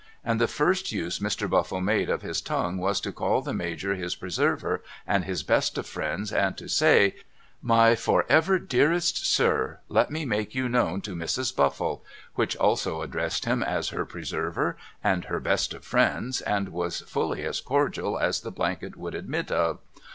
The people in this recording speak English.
And the first use Mr. Buffle made of his tongue was to call the Major his Preserver and his best of friends and to say ' My for ever dearest sir let me make you known to Mrs. Buffle ' which also addressed him as her Preserver and her best of friends and was fully as cordial as the blanket would admit of.